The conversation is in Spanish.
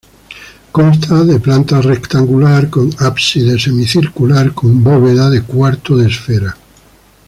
Consta de planta rectangular con ábside semicircular con bóveda de cuarto de esfera.